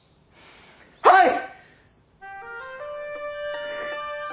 はい！